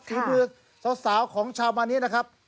ถือบือสาวของชาวมานินะครับ